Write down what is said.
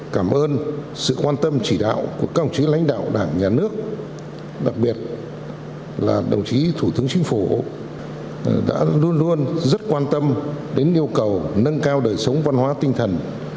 cảm ơn sự quan tâm chỉ đạo của các đồng chí lãnh đạo đảng nhà nước đặc biệt là đồng chí thủ tướng chính phủ đã luôn luôn rất quan tâm đến yêu cầu nâng cao đời sống văn hóa tinh thần